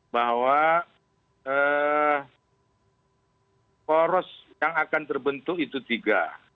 bahwa poros yang akan terbentuk itu tiga